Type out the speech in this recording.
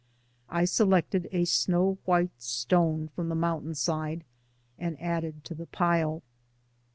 I selected a snow white stone from the mountain side and added to the pile.